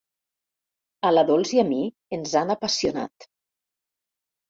A la Dols i a mi ens han apassionat.